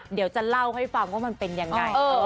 เดี๋ยวจะเล่าให้ฟังว่ามันเป็นยังไง